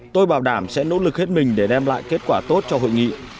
tôi bảo đảm sẽ nỗ lực hết mình để đem lại kết quả tốt cho hội nghị